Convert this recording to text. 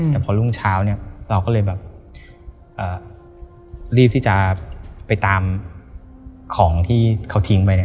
แต่พอรุ่งเช้าเราก็เลยแบบรีบที่จะไปตามของที่เขาทิ้งไป